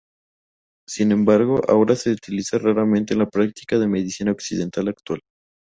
Sin embargo, ahora se utiliza raramente en la práctica de la medicina occidental actual.